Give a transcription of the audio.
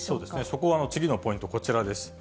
そこは次のポイント、こちらです。